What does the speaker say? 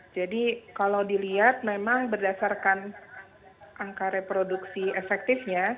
jadi kalau dilihat memang berdasarkan angka reproduksi efektifnya